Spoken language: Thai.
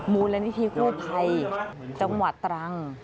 งูละนี้ที่คู่ไพรจังหวัดตรัง